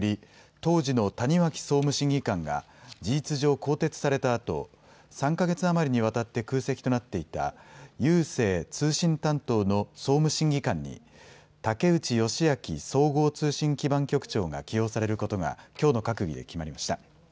当時の谷脇総務審議官が事実上更迭されたあと、３か月余りにわたって空席となっていた郵政・通信担当の総務審議官に竹内芳明総合通信基盤局長が起用されることがきょうの閣議で決まりました。